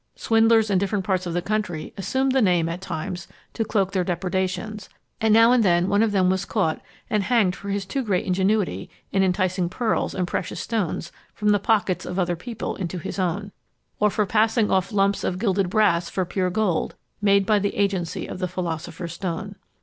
Swindlers in different parts of the country assumed the name at times to cloak their depredations; and now and then one of them was caught and hanged for his too great ingenuity in enticing pearls and precious stones from the pockets of other people into his own, or for passing off lumps of gilded brass for pure gold, made by the agency of the philosopher's stone.